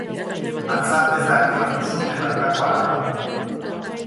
Antza, ez da aktibatu suteen aurkako alarma.